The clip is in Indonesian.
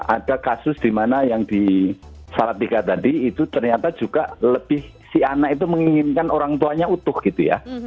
ada kasus dimana yang di salatiga tadi itu ternyata juga lebih si anak itu menginginkan orang tuanya utuh gitu ya